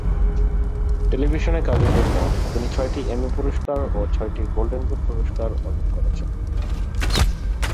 টেলিভিশনে কাজের জন্য তিনি ছয়টি এমি পুরস্কার ও ছয়টি গোল্ডেন গ্লোব পুরস্কার অর্জন করেছেন।